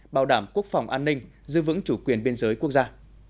bảo đảm quốc phòng an ninh giữ vững chủ quyền biên giới quốc gia